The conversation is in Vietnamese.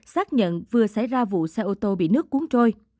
xác nhận vừa xảy ra vụ xe ô tô bị nước cuốn trôi